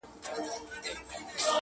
څه یې مسجد دی څه یې آذان دی.